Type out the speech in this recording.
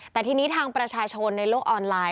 แต่ทีนี้ทางประชาชนในโลกออนไลน